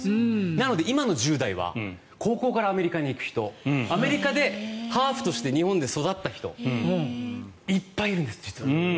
なので、今の１０代は高校からアメリカに行く人アメリカでハーフとして日本で育った人いっぱいいるんです、実は。